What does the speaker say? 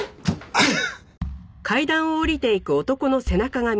あっ。